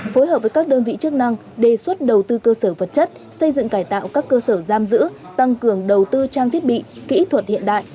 phối hợp với các đơn vị chức năng đề xuất đầu tư cơ sở vật chất xây dựng cải tạo các cơ sở giam giữ tăng cường đầu tư trang thiết bị kỹ thuật hiện đại